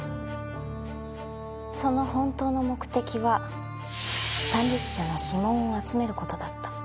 その本当の目的は参列者の指紋を集める事だった。